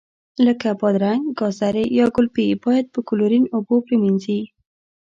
لکه بادرنګ، ګازرې یا ګلپي باید په کلورین اوبو پرېمنځي.